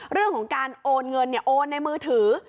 เรื่องของการโอนเงินโอนในมือถือ